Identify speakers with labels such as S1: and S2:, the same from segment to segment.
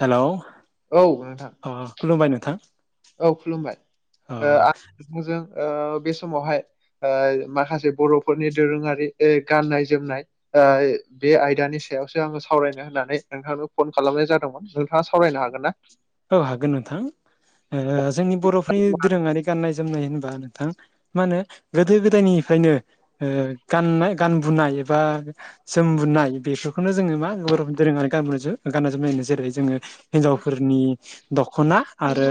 S1: हेल'।
S2: औ नोंथां।
S1: खुलुमबाय नोंथां।
S2: औ खुलुमबाय,
S1: अ
S2: आं नोंजों बे समावहाय ओ माखासे बर'फोरनि दोरोङारि गाननाय -जोमनाय ओ बे आयदानि सायावसो आङो सावरायनो होननानै नोंथांनो फन खालामनाय जादोंमोन। नोंथाङा सावरायनो हागोन ना?
S1: औ हागोन नोंथां । ओ जोंनि बर'फोरनि दोरोङारि गाननाय- जोमनाय होनोबा नोंथां मा होनो गोदो -गोदायनिफ्रायनो ओ गाननाय गानबोनाय एबा जोम -बोननाय बेफोरखौनो जोङो मा बर' दोरोङारि गान- गाननाय जोमनाय जेरै जोङो हिन्जावफोरनि दख'ना आरो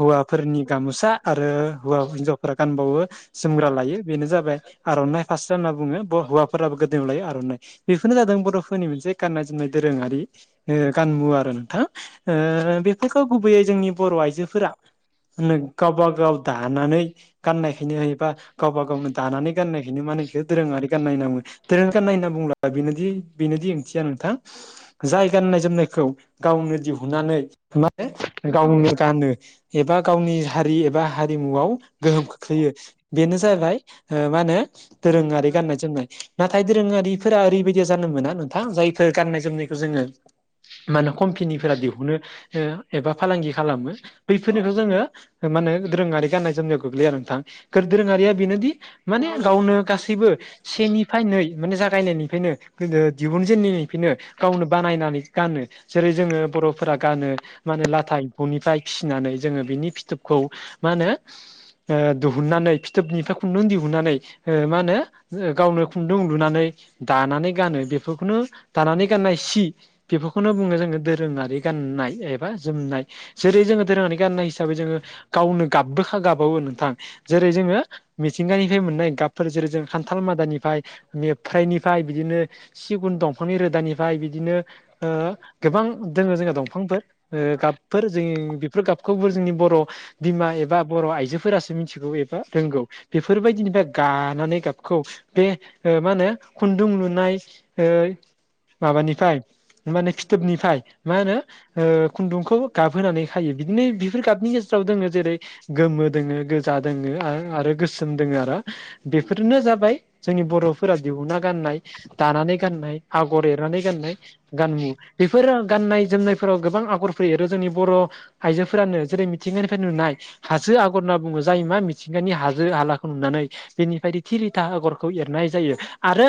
S1: हौवाफोरनि गामसा आरो हौवा- हिन्जावफोरा गानबावो जोमग्रा लायो बेनो जाबाय आर'नाइ फास्रा होनना बुङो । हौवाफोराबो गोदोयाव लायो आर'नाइ। बेफोरनो जादों बर' फोरनि मोनसे गाननाय जोमनाय दोरोङारि गान मुव आरो नोंथाङा ओ बेखौ गुबैयै जोंनि बर' आइजोफोरा गावबा गाव दानानै गाननायहायनो हबा गावबा गावनो दानानै गाननायखायनो मा होनोबेखौ दोरोङारि गाननाय होना बुङो । दोरोङारि गानाय होनना बुंङोबख बेनोदि -बेनोदि ओंथिया नोंथां जाय गाननाय- जोमनायखौ गावनो दिहुननानै माने गावनो गानो एबा गावनि हारि एबा हारिमुआव गोहोम खोख्लैयो बेनो जाहैबाय मा होनो दोरोङारि गाननाय -जोमनाय नाथाय दोरोङारिफोरा ओरैबायदि जानो मोना नोंथां जायफोर गान्नाय जोमनायखौ जोङो । मा होनो कम्पेनिफोरा दिहुनो एबा फालांगि खालामो बैफोरनिखौ जोङो माने दोरोङारि गाननाय जोमनायाव गोग्लैयो आरो नोंथां गो दोरोङारिया बेनोदि माने गावनो गासैबो सेनिफ्राय नै माने जागायनायनिफ्रायनो दिहुन जेननिफ्रायनो गावनो बानायनानै गानो जेरै जोङो बर'फोरा गानो । मा होनो लाथा एम्फौनिफ्राय फिसिनानै जोङो बिनि फिथोबखौ मा होनो? दिहुननानै फिथोबनिफ्राय खुन्दुं दिहुननानै मा होनो गावनो खुन्दुं उन्दुनानै दानानै गानो बेफोरखौनो दानानै गाननाय सि बेफोरखौनो बुङो जोङो दोरोङारि गाननाय एबा जोमनाय जेरै जोङो दोरोङारि गाननाय हिसाबै जोङो गावनो गाबबोखा गाबावो नोंथां जेरै जोङो मिथिंगानिफ्राय मोननाय गाबफोर जेरै जों खान्थाल मादानिफ्राय मफ्रायाइनिफ्राय बिदिनो सिगुन दंफांनि रोदानिफ्राय बिदिनो गोबां दङ जोंहा दंफांफोर गाबफोर जों बेफोर गाबखौबो जोंनि बर' बिमा एबा बर' आइजोफोरासो मिथि मिथिगौ एबा रोंगौ बेफोरबायदिनिफ्राय गानानै गाबखौ बे मा होनो खुन्दुं लुनाय माबानिफ्राय माने खिथोबनिफ्राय मा होनो? खुन्दुंखौ गाबहोनानै खायो बिदिनो बेफोर गाबनि गेजेराव दोङो जेरै गोमो दोङो गोजा दोङो आरो गोसोम दोङो आरो बेफोरनो जाबाय जोंनि बर'फोरा दिहुनना गाननाय दानानै गाननाय आगर एरनानै गाननाय गानु बेफोर गाननाय जोमनाय । फोराव गोबां आगर फैयो जोंनि बर' आइजोफोरानो जेरै मिथिंगानिफ्राय नुनाय हाजो आगर होनना बुङो जाय मा मिथिंगानि हाजो हालाखौ नुनानै बेनिफ्राय थिरिथा आगरखौ एरनाय जायो आरो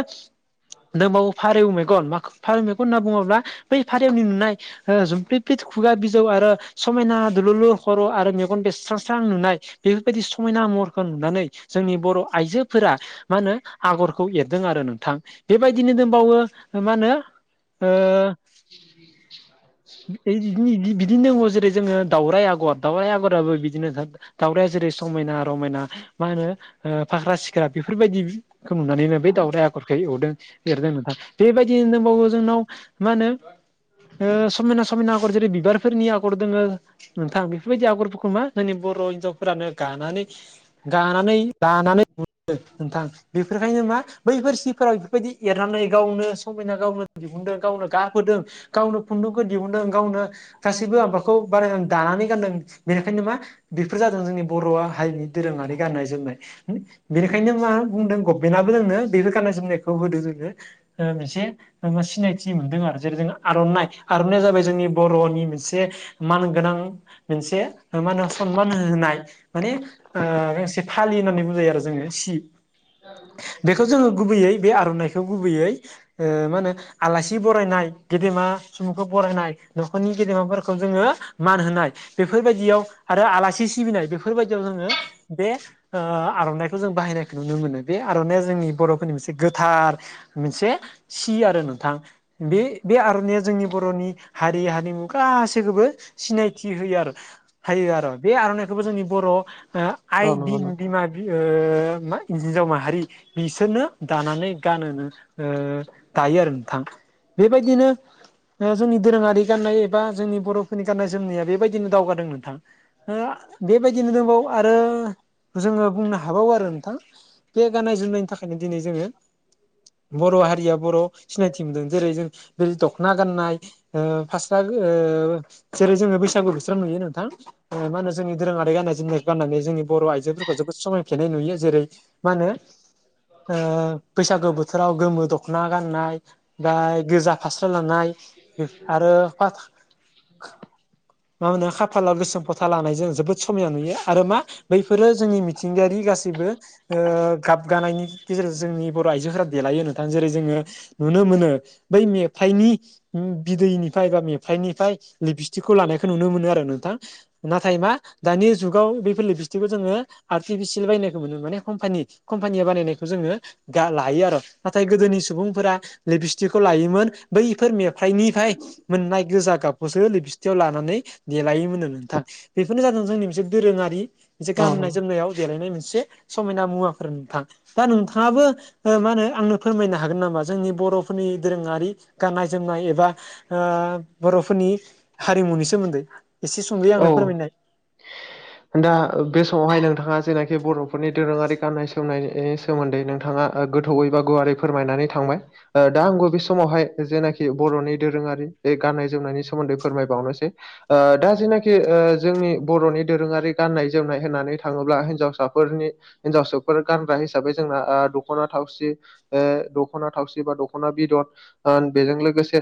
S1: दोंबावो फारौव मेगन मा फार मेखौ होनना बुङोब्ला बै फारियावनि नुनाय हो जुम्लि्लि खुगा बिजौ आरो समायना दुलुलु खर' आरो मेगन बेस्रां स्रां नुनाय बेफोरबायदि समायना महरखौ नुनानै जोंनि बर' आइजोफोरा मा होनो आगरखौ एरदों आरो नोंथां बेबायदिनो दंबावो मा होनो? ओ
S2: [inaudible]
S1: बिदिनो दङ जेरै जोङो दावराय आग'र दावराय आगराबो बिदिनो [unintelligible] दाउरायाया जेरै समायना रमायना मा होनो? फाख्रा सिख्रा बेफोरबायदिखौ नुनानैनो बे दावराया आगरखौ एवदों । एरदों नोंथां बेबायदिनो दंबावो जोंनाव मा होनो? समायना समायना आगर जेरै बिबारफोरनि आगर दोङो । नोंथां बेफोरबायदि आगरफोरखौ मा जोंनि बर' हिनजावफोरानो गानानै गानानै दानानै नोंथां बेफोरखायनो मा बैफोर सिफोराव बेबायदि एरनानै गावनो समायना गावनो दिहुनदों गावनो गाखोदों गावनो खुन्दुं दिहुननो गावनो गासैबो आबादखौ बाराय दानानै गानदों बेनिखायनो मा बेफोर जादों जोंनि बर' हारिनि दोरोङारि गाननाय जोमनाय बेनिखायनो मा बुंदों । बेनाबो जोंनो बेबो गाननाय जोमनायखौ होदो जोङो मोनसे । जोङो सिनायथि मोनदों आरो जेरै जोङो आर'नाइ आर'नाइ आ जाबाय जोंनि बर'नि मोनसे मानगोनां मोनसे मा होनो सनमान होनाय माने गांसे फालि होननानै बुजायो आरो जोङो सि बेखौ जोङो गुबैयै बे आर'नाइखौ गुबैयै मा होनो आलासि बरायनाय गेदेमा सुबुंखौ बरायनाय न'खरनि गेदेमाफोरखौ जोङो मान होनाय । बेफोरबायदियाव आरो आलासि सिबिनाय बेफोरबायदियाव जोङो बे ओ आर'नाइखौ जों बाहायनाय नुनो मोनो बे आर'नाइ जोंनि बर'फोरनि मोनसे गोथार मोनसे सि आरो नोंथां। बे बे आर'नाइया जोंनि बर'नि हारि हारिमु गासैखौबो सिनायथि होयो आरो हायो आरो बे आर'नाइखौबो जोंनि बर'
S2: औ
S1: आइ बि
S2: नंगौ नोंथां
S1: बिमा ओ मा हिनजाव माहारि बिसोरनो दानानै गानहोनो ओ दायो आरो नोंथां बेबायदिनो जोंनि दोरोङारि गाननाय एबा जोंनि बर'फोरनि गाननाय जोमनाया बेबायदिनो दावगादों नोंथां। ओ बेबायदिनो दंबावो आरो जोङो बुंनो हाबावो आरो नोंथां। बे गाननाय जोमनायनि थाखायनो दिनै जोङो बर' हारिया बर' सिनायथि मोनदों जेरै जों बेै द'खना गाननाय ओ फास्रा ओ जेरै जोङो बैसागु बोथोराव नुयो नोंथां। ओ मा होनो जोंनि दोरोङारि गाननाय जो जोमनाय गाननानै जोंनि बर' आइजोफोरखौ जोबोद समायफ्लेनाय नुयो जेरै मा होनो ओ बैसागो बोथोराव गोमो दख'ना गाननाय बाय गोजा फास्रा लानाय आरो मा होनो खाफालाव गोसोम फोथा लानाय जों जोबोद समायाना नुयो। आरो मा बैफोरो जोंनि मिथिंगायारि गासिबो ओ गाब गानायनि गेजेरजों जोंनि बर' आइजोफोरा देलायो नोंथां जेरै जोङो नुनो मोनो बै मेथाइनि बिदैनिफ्राय बा मेफाइनिफ्राय लिपस्टिकखौ लानायखौ नुनो मोनो आरो नोंथां। नाथाय मा दानि जुगाव बे लेबिस्थिखौ जोङो आर्टिफिसियेल बायनायखौ मोनो माने कम्पानि कम्पानिया बानायनायखौ जोङो गा लायो आरो। नाथाय गोदोनि सुबुंफोरा लिपस्टिकखौ लायोमोन बैफोर मेफ्राइनिफ्राय मोननाय गोजा गाबखौसो लिबस्टियाव लानानै देलायोमोननो नोंथां। बेफोरनो जादों जोंनि मोनसे दोरोङारि मोनसे
S2: औ
S1: गाननाय
S2: नंगौ
S1: जोमनायाव देलायनाय मोनसे समायना मुवाफोर नोंथां। दा नोंथाङाबो ओ मा होनो आंनो फोरमायनो हागोन नामा जोंनि बर'फोरनि दोरोङारि गाननाय जोमनाय एबा ओ बर'फोरनि हारिमुनि सोमोन्दै एसे सुंद'यै आंनो
S2: औ
S1: फोरमायनाय
S2: दा बे समावहाय नोंथाङा जेनाखि बर'फोरनि दोरोङारि गाननाय जोमनायनि सोमोन्दै नोंथाङा ओ गोथौयै बा गुवारै फोरमायनानै थांबाय। ओ दा आंबो बे समावहाय जेनाखि बर'नि दोरोङारि बे गाननाय जोमनायनि सोमोन्दै फोरमायबावनोसै। ओ दा जेनाखि जोंनि बर'नि दोरोङारि गाननाय जोमनाय होननानै थाङोब्ला हिनजावसा फोरनि हिनजावसाफोर गानग्रा हिसाबै जोंना ओ दख'ना थावसि ओ दख'ना थावसि बा दख'ना बिदन बेजों लोगोसे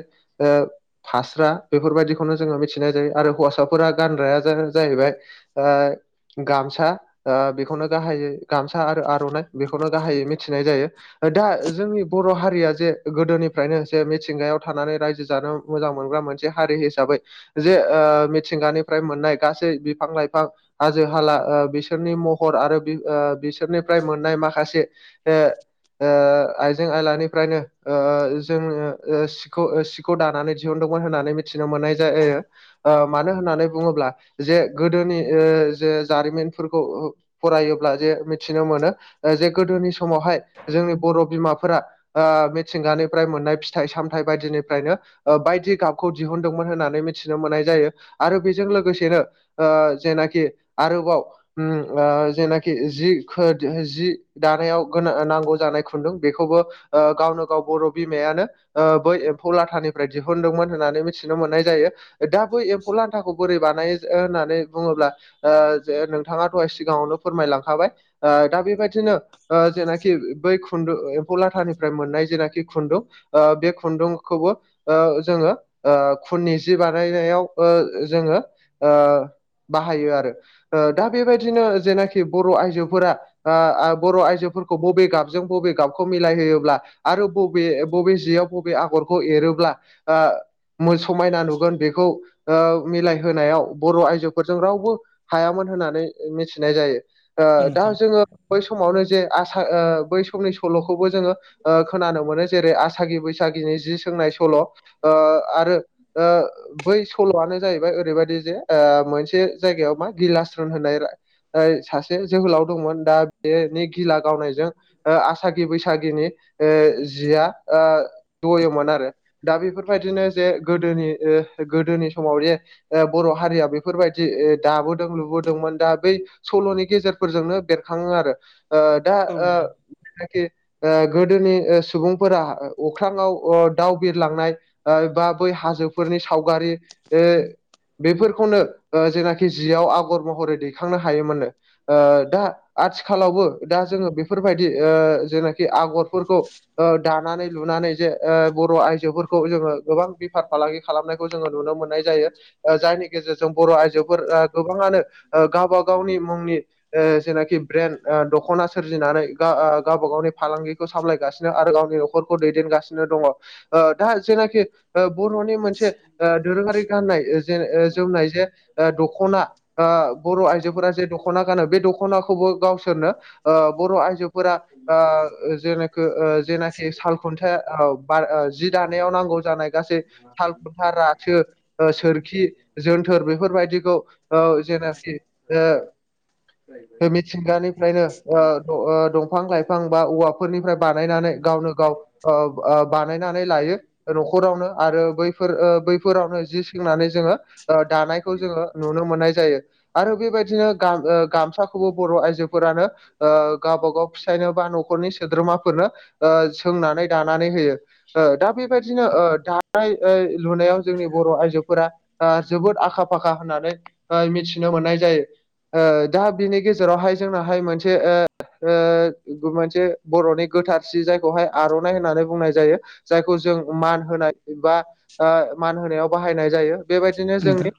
S2: फास्रा बेफोरबायदिखौनो जोङो मिथिनाय जायो आरो हौवासाफोरा गानग्राया जाहैबाय ओ गामसा ओ बेखौनो गाहायै गामसा आरो आर'नाइ बेखौनो गाहायै मिथिनाय जायो। दा जोंनि बर' हारिया जे गोदोनिफ्रायनो जे मिथिंगायाव थानानै रायजो जानो मोजां मोनग्रा मोनसे हारि हिसाबै जे ओ मिथिंगानिफ्राय मोननाय गासै बिफां लाइफां हाजो हाला ओ बिसोरनि महर आरो बे ओ बिसोरनिफ्राय मोननाय माखासे ए ओ आइजें आयलानिफ्रायनो ओ जोंनो ओ सु सिखौ सिखौ दानानै दिहुनदोंमोन होननानै मिथिनो मोननाय जायो ओ मानो होननानै बुङोब्ला जे गोदोनि ओ जे जारिमिनफोरखौ ओ फरायोब्ला जे मिथिनो मोनो जे गोदोनि समावहाय जोंनि बर' बिमाफोरा ओ मिथिंगानिफ्राय मोननाय फिथाइ सामथाइ बायदिनिफ्रायनो ओ बायदि गाबखौ दिहुनदोंमोन होननानै मिथिनो मोननाय जायो आरो बेजों लोगोसेनो ओ जेनाखि आरोबाव उम आ जेनाखि जि खोद जि दानायाव गोनां नांगौ जानाय खुन्दुं बेखौबो ओ गावनो गाव बर' बिमायानो ओ बै एम्फौ लाथानिफ्राय दिहुनदोंमोन होननानै मोनथिनो मोननाय जायो दा बै एम्फौ लान्थाखौ बोरै बानायो ओ होननानै बुङोब्ला ओ जे नोंथाङा दहाय सिगाङावनो फोरमायलांखाबाय ओ दा बेबायदिनो ओ जेनाखि बै खुन्दुं एम्फौ लाथानिफ्राय मोननाय जेनाखि खुन्दुं ओ बे खुन्दुंखौबो ओ जोङो ओ खुननि जि बा नायनायाव ओ जोङो ओ बाहायो आरो ओ दा बेबायदिनो जेनाखि बर' आइजोफोरा ओ बर' आइजोफोरखौ बबे गाबजों बबे गाबखौ मिलायहोयोब्ला आरो बबे बबे जेयाव बबे आगरखौ एरोब्ला ओ मो समायना नुगोन खौ ओ मिलायहोनायाव बर' आइजोफोरजों रावबो हायामोन होननानै मिथिनाय जायो ओ
S1: औ
S2: दा
S1: नोंथां
S2: जोङो बै समावनो जे आसा ओ बै समनि सल'खौबो जोङो ओ खोनानो मोनो जेरै आसागि बैसागिनि जि सोंनाय सल' ओ आरो ओ बै सल'आनो जाहैबाय ओरैबायदि जे मोनसे जायगायाव मा गिलास्रन होननाय [unintelligible] सासे जोहोलाव दंमोन दा बेनि गिला गावनायजों ओ आसागि बैसागिनि ओ जिया ओ जयोमोन आरो दा बेफोरबायदिनो जे गोदोनि गोदोनि समाव जे ओ बर' हारिया बेफोरबायदि दाबोदों लुबोदोंमोन दा बै सल'नि गेजेर फोरजोंनो बेरखाङो आरो ओ दा
S1: औ
S2: ओ
S1: नोंथां
S2: जायनाखि ओ गोदोनि ओ सुबुंफोरा अख्राङाव ओ दाउ बिरलांनाय ओ बा बै हाजोफोरनि सावगारि ओ बेफोरखौनो ओ जेनाखि जियाव आगर महरै दैखांनो हायोमोननो ओ दा आथिखालावबो दा जोङो बेफोरबायदि ओ जेनाखि आगरफोरखौ ओ दानानै लुनानै जे ओ बर' आइजोफोरखौ जोङो गोबां बेफार फालांगि खालामनायखौ जोङो नुनो मोननाय जायो। ओ जायनि गेजेरजों बर' आइजोफोर ओ गोबाङानो गावबा गावनि मुंनि ओ जेनाखि ब्रेन्द दख'ना सोरजिनानै गावबा गावनि फालांगि खौ सामलायगासिनो आरो गावनि न'खरखौ दैदेनगासिनो दङ ओ दा जेनाखि बर'नि जे दोरोङारि गाननाय ओ जे जोमनाय जे ओ दख'ना ओ बर' आइजोफोरा जे दख'ना गानो बे दख'नाखौबो गावसोरनो ओ बर' आइजोफोरा ओ जेनोखो ओ जेनाखि साल खुन्थाया औ जि दानायाव नांगौ जानाय गासै थार रासो ओ सोरखि जोनथोर बेफोरबायदिखौ ओ जेनाखि ओ बे मिथिंगानिफ्रायनो ओ ओ दं दंफां लाइफां बा औवाफोरनिफ्राय बानायनानै गावनो गाव ओ ओ बानायनानै लायो न'खरावनो आरो बै फोर बैफोरावनो जि सिंनानै जोङो दानायखौ जोङो नुनो मोननाय जायो। आरो बेबायदिनो गाम ओ गामसाखौबो बर' आयजोफोरानो ओ गावबा गाव फिसायनो बा न'खरनि सोद्रोमाफोरनो ओ सोंनानै दानानै होयो ओ दा बेबायदिनो ओ दानाय ओ लुनायाव जोंनि बर' आइजोफोरा ओ जोबोद आखा फाखा होननानै ओ मिथिनो मोननाय जायो। ओ दा बिनि गेजेरावहाय जोंनाहाय मोनसे ओ ओ मोनसे बर'नि गोथारसि जायखौहाय आर'नाइ होननानै बुंनाय जायो जायखौ जों मान होनाय बा ओ मान होनायाव बाहायनाय जायो बेबायदिनो जोंनि
S1: नोंथां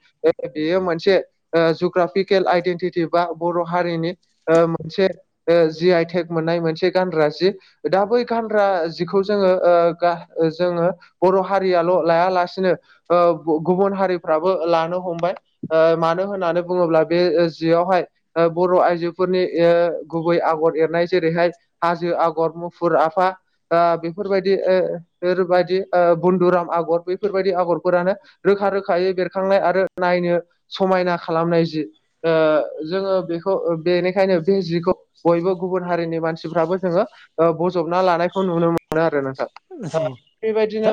S2: बेयो मोनसे ओ जुग्राफिकेल आइडेन्टिटि बा बर' हारिनि ओ मोनसे ओ जि आइ टेक मोननाय मोनसे गानग्रा जि दा बै गानग्रा जिखौ जोङो ओ गा जोङो बर' हारियाल' लाया लासिनो ओ गुबुन हारिफ्राबो लानो हमबाय ओ मानो होननानै बुङोब्ला बे जियावहाय ओ बर' आइजोफोरनि ओ गुबै आगर एरनाय जेरैहाय हाजो आगर मुफुर आफा ओ बेफोरबायदि ओ बेबायदि ओ बुन्दुराम आगर बैफोरबायदि आगरफोरानो रोखा रोखायै बेरखांनाय आरो नायनो समायना खालामनाय जि ओ जोङो बेखौ बेनिखायनो बे जिखौ बयबो गुबुन हारिनि मानसिफ्राबो जोङो बजबना लानायखौ नुनो मोनो आरो नोंथां
S1: नोंथां
S2: ओ
S1: औ दा
S2: बेबायदिनो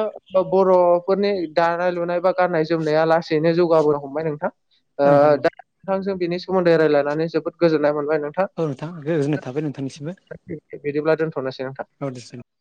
S2: बर' फोरनि दानाय लुनाय बा गाननाय जोमनाया लासैनो जौगाबोनो हमबाय नोंथां ओ
S1: नोंथां औ
S2: दा नोंथांजों बिनि सोमोन्दै रायज्लायनानै जोबोद गोजोननाय मोनबाय नोंथां
S1: औ गोजोननाय थाबाय नोंथांनिसिमबो
S2: [inaudible] बिदिब्ला दोनथ'नोसै नोंथां
S1: औ दे